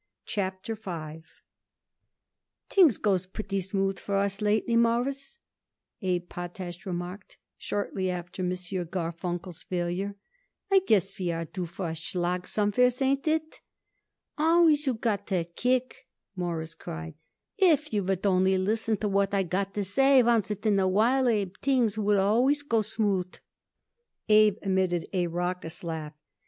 CHAPTER V "Things goes pretty smooth for us lately, Mawruss," Abe Potash remarked, shortly after M. Garfunkel's failure. "I guess we are due for a schlag somewheres, ain't it?" "Always you got to kick," Morris cried. "If you would only listen to what I got to say oncet in a while, Abe, things would always go smooth." Abe emitted a raucous laugh.